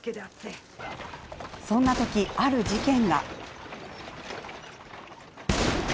そんな時、ある事件が。